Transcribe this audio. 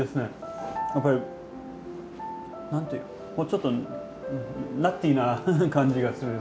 やっぱり何て言うちょっとナッティーな感じがする。